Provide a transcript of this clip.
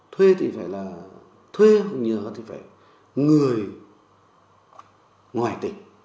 thuê thì phải là thuê nhờ thì phải người ngoài tỉnh